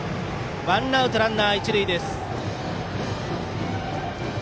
ワンアウトランナー、一塁です。